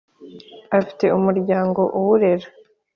afite umuryango uwurere,